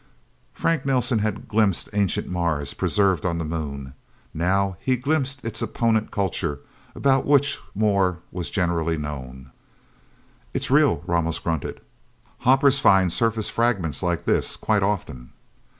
Frank Nelsen had glimpsed ancient Mars, preserved on the Moon. Now he glimpsed its opponent culture, about which more was generally known. "It's real," Ramos grunted. "Hoppers find surface fragments like this, quite often."